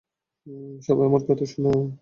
সবাই আমার কথা শুনো।